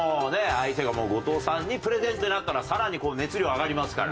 相手が後藤さんにプレゼンってなったらさらに熱量上がりますから。